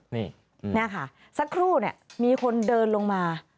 นี่ค่ะสักครู่เนี่ยมีคนเดินลงมา